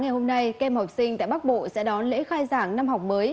ngày hôm nay kem học sinh tại bắc bộ sẽ đón lễ khai giảng năm học mới